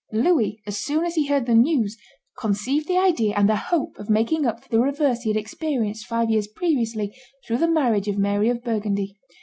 Louis, as soon as he heard the news, conceived the idea and the hope of making up for the reverse he had experienced five years previously through the marriage of Mary of Burgundy.